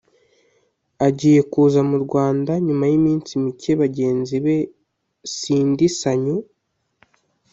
Agiye kuza mu Rwanda nyuma y’iminsi mike bagenzi be Cindy Sanyu